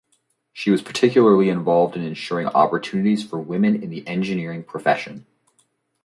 She was particularly involved in ensuring opportunities for women in the engineering profession.